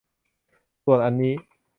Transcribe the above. ส่วนอันนี้